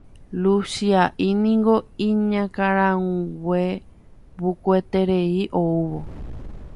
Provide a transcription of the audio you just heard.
Luchia'i niko iñakãraguevukueterei oúvo